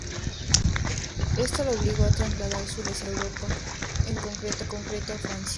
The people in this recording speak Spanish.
Esto la obligó la trasladar su residencia a Europa, en concreto a Francia.